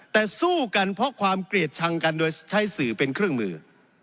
แต่สู้กันเพราะความเกลียดชังกันโดยใช้สื่อเป็นเครื่องมือ